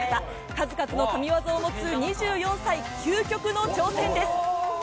数々の神技を持つ２４歳、究極の挑戦です。